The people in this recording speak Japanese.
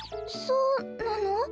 そうなの？